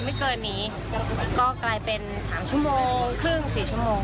ไม่เกินนี้ก็กลายเป็นสามชั่วโมงครึ่งสี่ชั่วโมง